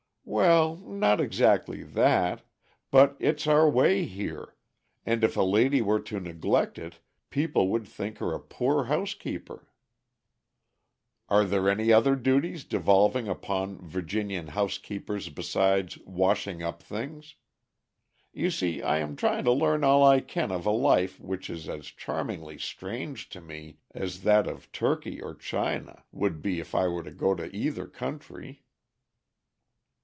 "Well, not exactly that; but it's our way here, and if a lady were to neglect it people would think her a poor housekeeper." "Are there any other duties devolving upon Virginian housekeepers besides 'washing up things?' You see I am trying to learn all I can of a life which is as charmingly strange to me as that of Turkey or China would be if I were to go to either country."